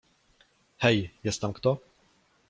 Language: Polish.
Hej, jest tam kto?